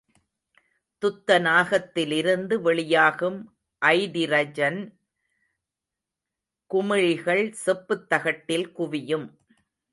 துத்தநாகத்திலிருந்து வெளியாகும் அய்டிரஜன் குமிழிகள் செப்புத் தகட்டில் குவியும்.